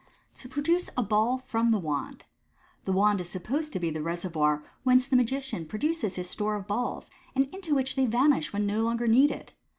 To Produce a Ball from the Wand. — The wand is supposed to be the reservoir whence the magician produces his store of balls, and into which they vanish when no longer needed.